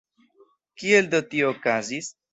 Kiel do tio okazis?